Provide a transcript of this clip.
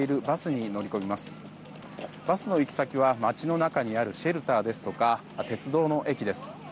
バスの行き先は街の中にあるシェルターですとか鉄道の駅です。